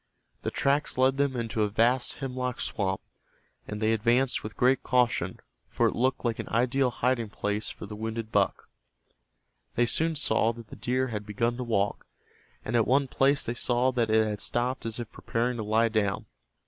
The tracks led them into a vast hemlock swamp, and they advanced with great caution, for it looked like an ideal hiding place for the wounded buck. They soon saw that the deer had begun to walk, and at one place they saw that it had stopped as if preparing to lie down.